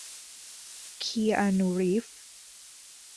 คีอานู รีฟส์